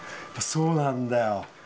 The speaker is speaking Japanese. そうなんだよ。